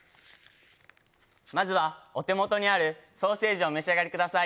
まずはお手元にあるソーセージをお召し上がりください。